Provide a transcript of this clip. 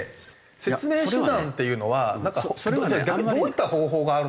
説明手段っていうのはじゃあ逆にどういった方法があるのかなって。